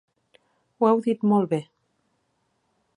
Ho heu dit molt bé.